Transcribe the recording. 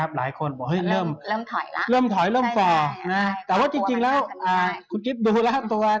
หลายคนเริ่มถอยแล้วแต่ว่าจริงแล้วคุณกิ๊บดูแล้ว